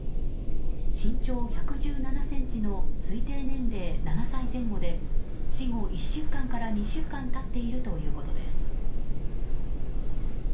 身長１１７ｃｍの推定年齢７歳前後で死後１週間から２週間経っているということです。